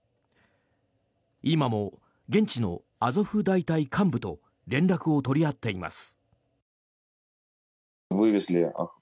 今も現地のアゾフ大隊幹部と連絡を取り合っています。